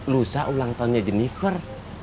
lusa ulang tahunnya jennifer